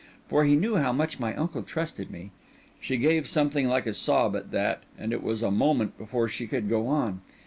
For he knew how much my uncle trusted me." She gave something like a sob at that, and it was a moment before she could go on.